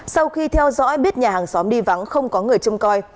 sau khi theo dõi biết nhà hàng xóm đi vắng không có người trông coi